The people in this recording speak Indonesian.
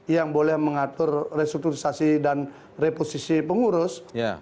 yang boleh mengatur restrukturisasi dan reposisi pengurus